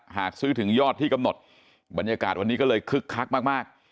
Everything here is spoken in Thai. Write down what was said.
หากซื้อถึงยอดที่กำหนดบรรยากาศวันนี้ก็เลยคึกคักมาก